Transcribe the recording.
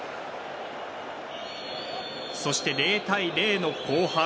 そして０対０の後半。